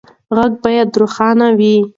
غږ باید روښانه وي.